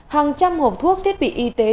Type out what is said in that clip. hàng trăm hộp thuốc thiết bị y tế